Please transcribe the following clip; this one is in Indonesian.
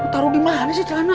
taruh dimana sih celana